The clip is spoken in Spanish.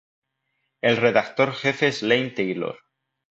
El redactor jefe es Iain Taylor.